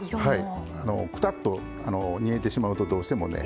くたっと煮えてしまうとどうしてもね。